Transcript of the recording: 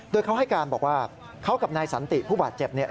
โดยเขาให้การบอกว่าเขากับนายสันติผู้บาดเจ็บเนี่ย